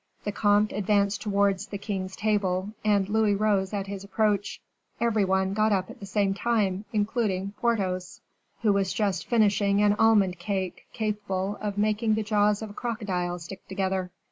The comte advanced towards the king's table, and Louis rose at his approach. Everybody got up at the same time, including Porthos, who was just finishing an almond cake capable of making the jaws of a crocodile stick together.